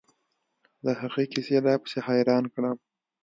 د هغه کيسې لا پسې حيران کړم.